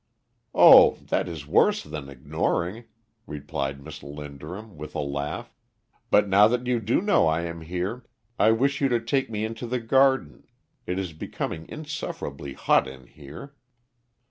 "Oh, that is worse than ignoring," replied Miss Linderham, with a laugh; "but now that you do know I am here, I wish you to take me into the garden. It is becoming insufferably hot in here."